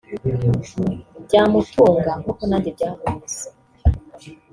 byamutunga nkuko nanjye byantunze